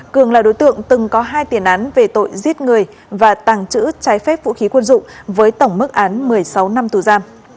cường là đối tượng từng có hai tiền án về tội giết người và tàng trữ trái phép vũ khí quân dụng với tổng mức án một mươi sáu năm tù giam